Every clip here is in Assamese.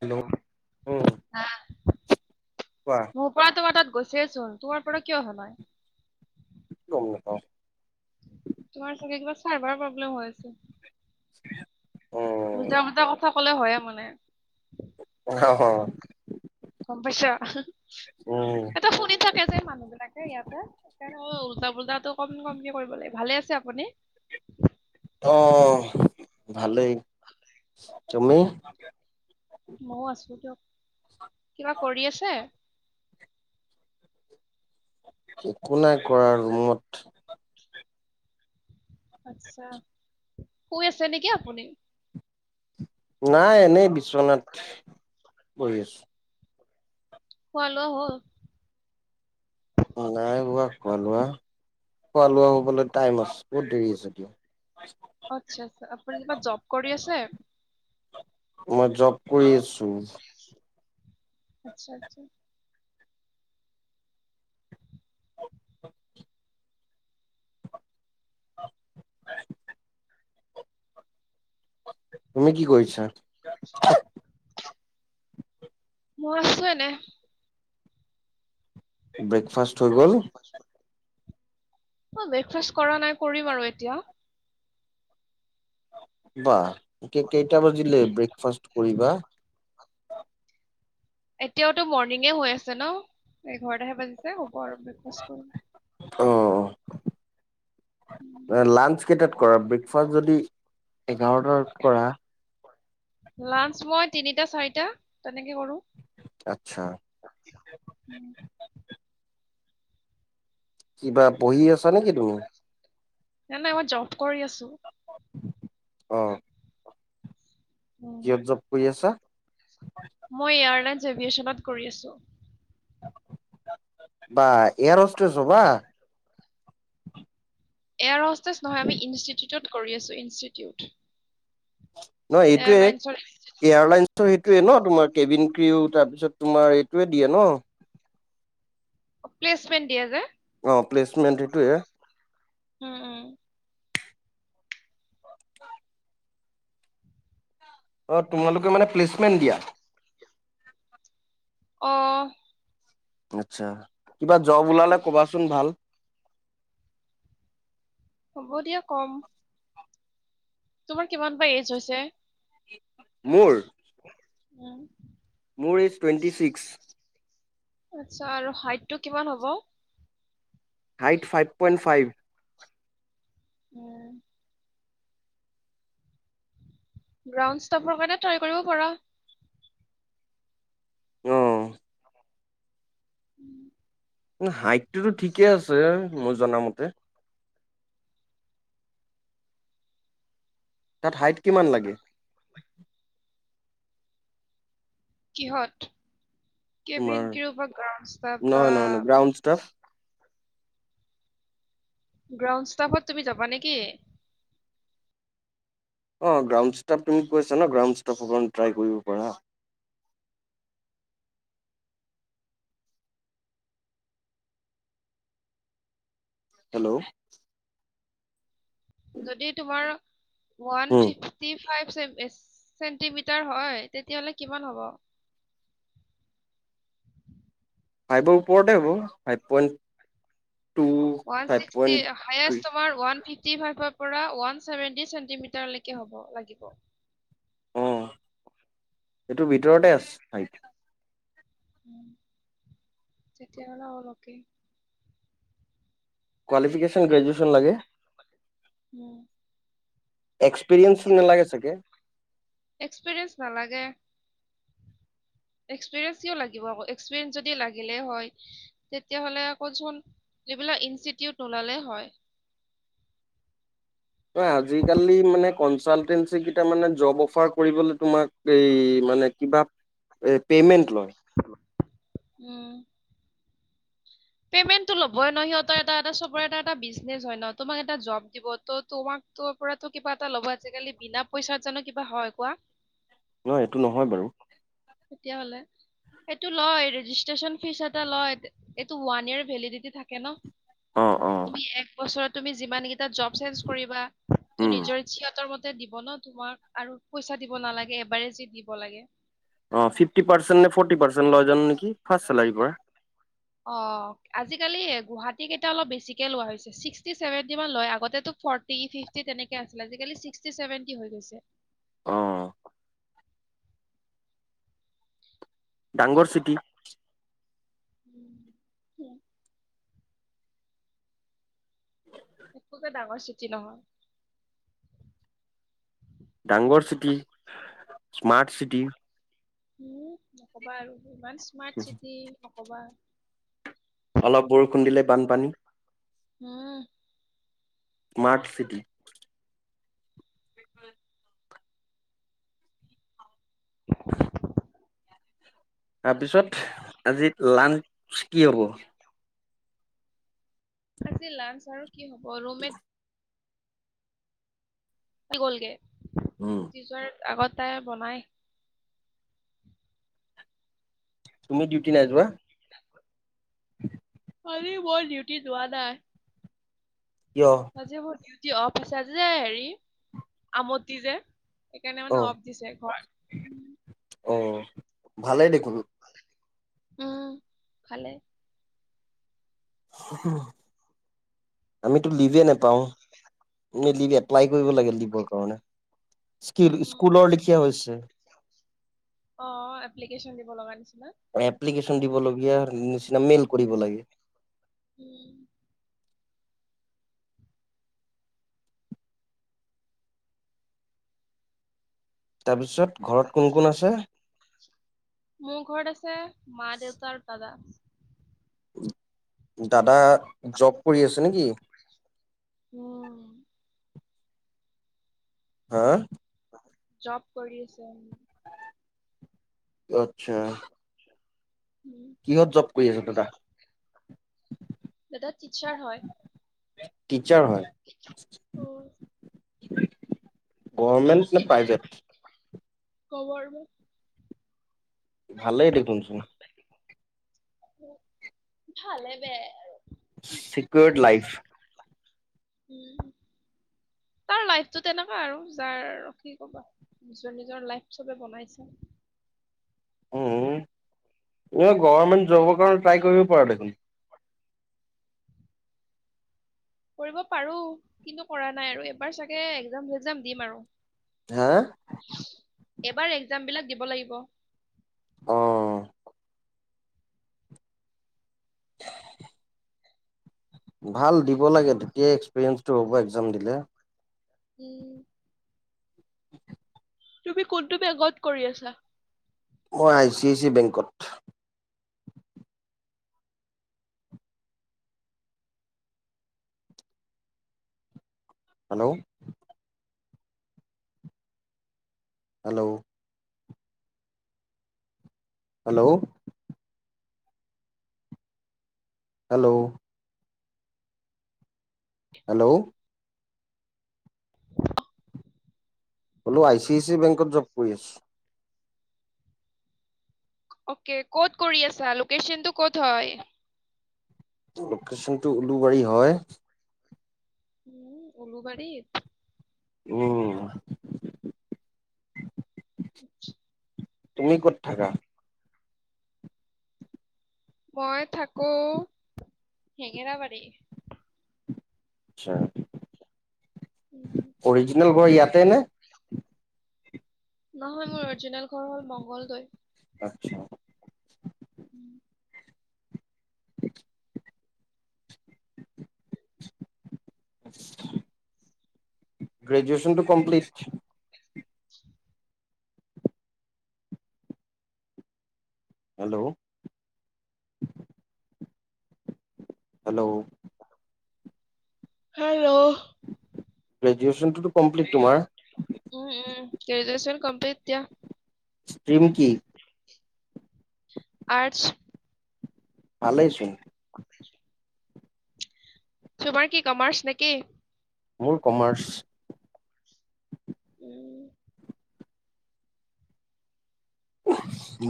হেল্ল' উম কোৱা মোৰ পৰাটো তোমাৰ তাত গৈছেচোন। তোমাৰ পৰা কিয় অহা নাই? গম নাপাওঁ। তোমাৰ চাগে কিব চাৰ্ভাৰ প্ৰব্লেম হৈ আছে। [unintelligible] উম উল্টা-পুল্টা কথা ক'লে, হয়ে মানে। অ'। গম পাইছা? হঁ-হঁ-হঁ। কে যে মানুহবিলাকে ইয়াতে। সেইকাৰণে উল্টা-পুল্টাটো কম- কমকে কৰিব লাগিব। ভালে আছে আপুনি? [inaudible] অ', ভালেই। তুমি? মইয়ো আছোঁ দিয়ক। কিবা কৰি আছে? একো নাই কৰা ৰুমত। আচ্ছা। শুই আছে নেকি আপুনি? নাই, এনেই বিছনাত পৰি আছোঁ। খোৱা-লোৱা হ'ল? নাই হোৱা খোৱা-লোৱা। খোৱা-লোৱা হ'বলৈ টাইম আছ- বহুত দেৰি আছে দিয়ক। আচ্ছা - আচ্ছা। আপুনি কিবা জ'ব কৰি আছে? মই জ'ব কৰি আছোঁ। আচ্ছা - আচ্ছা। তুমি কি কৰিছা? মই আছোঁ এনে। ব্ৰেকফাষ্ট হৈ গ'ল? অ' ব্ৰেকফাষ্ট কৰা নাই। কৰিম আৰু এতিয়া। বা, কে- কেইটা বাজিলে ব্ৰেকফাষ্ট কৰিবা? এতিয়াওতো মৰ্ণিঙে হৈ আছে ন'। এঘাৰটাহে বাজিছে। হ'ব আৰু, ব্ৰেকফাষ্ট কৰিম। অ' - অ'। নাই, লাঞ্চ কেইটাত কৰা? ব্ৰেকফাষ্ট যদি এঘাৰটাৰ পৰা? লাঞ্চ মই তিনিটা-চাৰিটা, তেনেকে কৰোঁ। আচ্ছা উম। কিবা পঢ়ি আছা নেকি তুমি? নাই-নাই, মই জ'ব কৰি আছোঁ। অ'। কিহত জব কৰি আছা মই এয়াৰলাইনছ এভিয়েশনত কৰি আছোঁ। বা, এয়াৰহোষ্টেছ হবা? এয়াৰ হোষ্টেজ নহয়। আমি ইনষ্টিটিউটত কৰি আছোঁ, ইনষ্টিটিউট। নহয় এইটোৱে। এয়াৰলাইন্সৰ এয়াৰলাইনছৰ সেইটোয়ে ন', তোমাৰ কেবিন ক্ৰিও, তাৰপিছত তোমাৰ এইটোৱে দিয়ে ন'? অ' প্লেচমেন্ট দিয়ে যে। অ' প্লেচমেণ্ট সেটোৱে। উম - উম। [unintelligible] অ' তোমালোকে মানে প্লেচমেণ্ট দিয়া? আহ আচ্ছা, কিবা জব ওলালে কবাচোন ভাল। হ'ব দিয়ক কম। তোমাৰ কিমান বা এ'জ হৈছে? মোৰ উম মোৰ এইজ টুৱেণ্টি ছিক্স আচ্ছা আৰু হাইটটো কিমান হ'ব? Height five point five. উম। গ্ৰাউণ্ড ষ্টফৰ কাৰণেট্ৰাই কৰিব পৰা উম। উম হাইটটোতো ঠিকে আছে মই জনামতে তাত হাইট কিমান লাগে কিহত কেবিন তোমাৰ কি গ্ৰ বা নহয় নহয় নহয় গ্ৰাউণ্ড ষ্টাফ গ্ৰাউণ্ড ষ্টাফত তুমি যাবা নেকি? অ গ্ৰাউণ্ড ষ্টাফ তুমি কৈছা ন গ্ৰাউণ্ড ষ্টাফ কাৰণে ট্ৰাই কৰিব পাৰা। [inaudible] হেল্ল'। যদি তোমাৰ one um. Fifty five centimetre হয়। তেতিয়াহলে কিমান হ'ব- [inaudible] ফাইভৰ ওপৰতে হ'ব, five point two one five point sixty three সায়েছ তোমাৰ ওৱান ফিপ টি ফাইভৰ পৰা ওৱান ছেভেণ্টি চেণ্টিমিটাৰলৈকে হ'ব লাগিব। এইটো ভিতৰতে উম, আছে সাইত উম তেতিয়া হ'লে অল অকে কোৱালিফিকেশ্যন গ্ৰেজুৱেশ্যন লাগে। উম। এক্সপিৰিয়েঞ্চ নালাগে চাগে? এক্সপিৰিয়েঞ্চ নালাগে। এক্সপিৰিয়েঞ্চ কিয় লাগিব আকৌ, এক্সপিৰিয়েঞ্চ যদি লাগিলে হয় তেতিয়াহলে আকৌচোন! যিবিলাক ইনষ্টিটিউট নোলালে হয়। অই আজি কালি মানে কনচালটেঞ্চি কেইটা মানে জব অফাৰ কৰিবলৈ তোমাক এই মানে কিবা পেমেন্ট লয়। উম পেমেন্টটো ল'বই ন সিহঁতৰে এটা এটা চবৰে বিজনেচ হয় ন তোমাক এটা জব দিব ত তোমাক- তোমাৰ পৰা তো কিবা এটা ল'ব, আজিকালি বিনা পইচাত জানো কিবা হয় কোৱা? নহয় এইটো নহয় বাৰু তেতিয়া হলে সেইটো লয় ৰেজিষ্ট্ৰচন ফিজ এটা লয়। ওৱান ইয়েৰ ভেলিডিটি থাকে ন অ অ তুমি এক বছৰৰ যিমান কেইটা জৱ চেইঞ্জ কৰিবা, ত উম নিজৰ ইচ্ছা, সিহতৰ মত তে দিব ন তোমাক আৰু পইচা দিব নালাগে এবাৰেজি দি দিব লাগে। অ ফিফটি পাৰ্চেট নে ফৰ্টি পাৰ্চেট লয় যান নেকি ফাৰ্ষ চেলাৰী পৰা অ আজিকালি এ গুৱাহাটী কেইটা অলপ বেছিকে লোৱা হৈছে ছিক্সটি চেভেন্টি মান লৈ আগতে তো ফটি, ফিফটি তেনেকে আছিলে আজি কালি চিকটি, চেবেনটি হৈ গৈছে। অ ডাংগৰ চিটি- উ একপ্ৰকাৰে ডাঙৰ চিতি নহয়। ডাঙৰ চিটি, স্মাৰ্ট চিটি, উম নকবা আৰু ইমান স্মাৰ্ট চিটি নকবা। অলপ বৰষুণ দিলে বানপানী উম, স্মাৰ্ট চিটি। [inaudible] তাৰপিছত আজি লাঞ্চ কি হ'ব? আজি লাঞ্চ আৰু কি হ'ব? ৰুমে গলগে উম, দুটি যোৱাৰ আগত তাই বনাই তুমি ডিউটি নাই যোৱা [inaudible] [unintelligible] আজি মই ডিউটি যোৱা নাই কিয়? আজি মোৰ ডিউটি অফ আছে আজি যে হেৰি আমতি যে সেইকাৰণে মানে অ', অফ দিছে ঘৰ অ ভালেই দেখোন উম ভালে। আমিতো লিভে নোপাও আ লিভ এপ্লাই কৰিব লাগে দিবৰ কাৰণে উম স্কুলৰ লিখিয়া হৈছে অ এপ্লিকেশ্যন দিব লগা নিছিল এপ্লিকেশ্যন দিবলগীয়া নিচিনা মেইল কৰিব লাগে উম। তাৰপিছত ঘৰত কোন কোন আছে? মোৰ ঘৰত আছে মা দেউতাৰ আৰু দাদা দাদা জব কৰি আছে নেকি? উম। হা? জপ কৰি আছে। আত্ছা উম কিহত জব কৰি আছ দাদা দাদা টিচাৰ হয়। টিচাৰ হয়। ত' গভমেণ্ট নে প্ৰাইভেট [unintelligible] ভালেই দেখোনচোন ভালে বেয়া চিক্যৰড লাইফ উ তাৰ লাইফটো তেনেকুৱা আৰু যাৰ কি কবা নিজৰ নিজৰ লাইফ চবে বনাইছে। উম গভমেন্ট জবৰ কাৰণে ট্ৰাই কৰিব পাৰা দেখোন কৰিব পাৰো কিন্তু কৰা নাই আৰু, এবাৰ চাগে এক্জাম চেগজাম দিম আৰু। হা? এবাৰ একজামবিলাক দিব লাগিব আহ [unintelligible] ভাল দিব লাগে তেতিয়াই এক্সপিৰিয়েন্ঞ্চটো হ'ব এক্সাম দিলে উম তুমি কোনটো বেগত কৰি আছা? মই আই চি আই চি বেংকত hello hello hello hello hello! Hello I C I C বেংকত জব কৰি আছো অকে ক'ত কৰি আছা লোকেশচন টো ক'ত হয় লোকেশ্যনটো উলুবাৰী হয় উম ওলুবাৰীত উম [inaudible] তুমি ক'ত থাকা? মই থাকো হেঙেৰাবাৰী আচ্ছা অৰিজিনেল ঘৰ ইয়াতে নে নহয় মোৰ অৰিজিনেল ঘৰ হ'ল মংগলদৈ আচ্ছা। [inaudible] গ্ৰেজ গ্ৰেজুৱেছনটো কপ্লিট [inaudible] হেল্ল'! হেল্ল' হেল্ল' গ্ৰেজুৱেচনটোতো কমপ্লিট তোমাৰ উম উম গ্ৰেজুৱেচন কম্প্লিট এতিয়া ষ্ট্ৰম কি আৰ্টছ ভালেই চোন তোমাৰ কি কমাৰ্চ নেকি? মোৰ কমাৰ্চ। উম,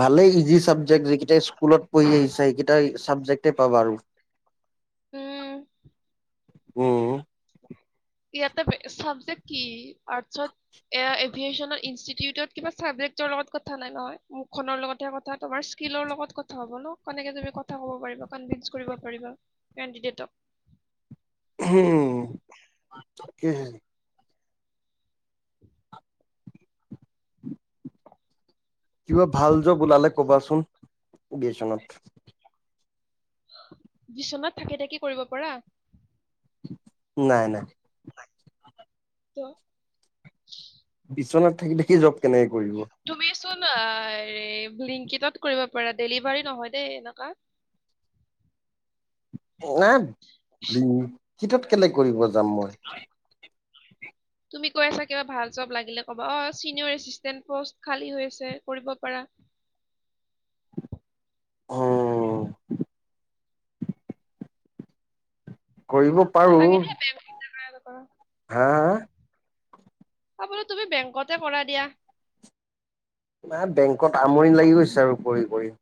ভালেই ইজি চাবজেক্ট যিকেইটাই স্কুলত পঢ়ি আহিছা এইকেইটাই চাবজেক্টেই পাবা আৰু উম। উম ইয়াতে চাবজেক্ট কি আৰ্টচত এ এভিয়াচনৰ ইঞ্চিটোচত কিবা চাবজেক্তৰ লগত কথা নাই নহয় মুখ খনৰে কথা তোমাৰ লৰ লগত কথা হব ন কেনেকে তুমি কথা কব পাৰিবা কনভিন্স কৰিব পাৰিবা কেণ্ডিডেটক [unintelligible] উম তাকেহে। কিবা ভাল যব ওলালে কবাচোন বিচনাত থাকি থাকি কৰিব পৰা নাই নাই তো বিছনাত থাকি থাকি জক কেনেক তুমি ছোঁন ব্লিলিংকিতত কৰিব পাৰা ডেলিভাৰী নহয় দেই এনেকুৱা [inaudible] নাই হিটোত কেলে কৰিব যাম মই তুমি কৈ আছা কিবা ভাল জব লাগিলে কবা অ চিনিয়ৰ এচিষ্টেন পোষ্ট খালী হৈ আছে কৰিব পাৰা [inaudible] উম কৰিব পাৰো নালাগে দেই [unintelligible] হা- হা? অ' বোলো তুমি বেংকতে কৰা দিয়া। না, বেংকত আমনি লাগি গৈছে আৰু কৰি - কৰি।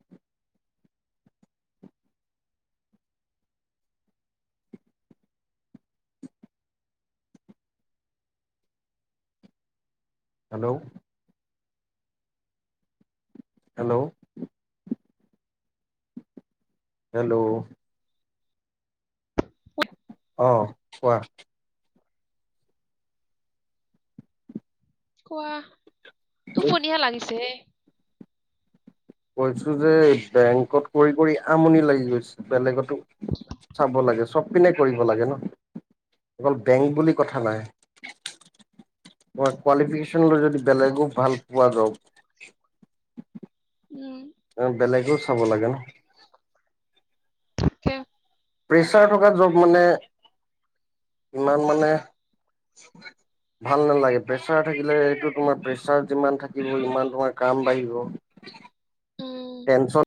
হেল্ল'? হেল্ল'? হেল্ল'? অ', কোৱা। কোৱা। টোপনিহে লাগিছে। কৈছোঁ যে, বেংকত কৰি - কৰি আমনি লাগি গৈছে। বেলেগত তো চাব লাগে। চব পিনে কৰিব লাগে ন'। অকল বেংক বুলি কথা নাই। কোৱা- কোৱালিফিকেশ্যনলৈ যদি বেলেগো ভাল পোৱা যাওঁক। [inaudible] বেলেগো চাব লাগে ন'। তাকে। প্ৰেছাৰ থকা জ'ব মানে, ইমান মানে চ [inaudible] ভাল নালাগে। প্ৰেছাৰ থাকিলে এইটো তোমাৰ প্ৰেছাৰ যিমান থাকিব, ইমান তোমাৰ কাম বাঢ়িব। উম টেনশন